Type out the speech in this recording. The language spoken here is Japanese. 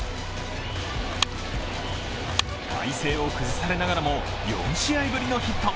体勢を崩されながらも４試合ぶりのヒット。